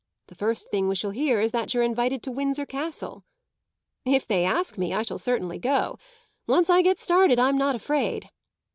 The first thing we shall hear is that you're invited to Windsor Castle." "If they ask me, I shall certainly go. Once I get started I'm not afraid.